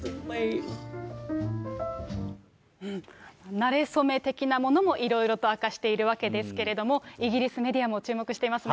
なれそめ的なものも、いろいろと明かしているわけですけれども、イギリスメディアも注目していますね。